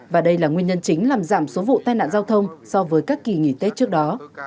và đây là nguyên nhân chính làm giảm số vụ tai nạn giao thông so với các kỳ nghỉ tết trước đó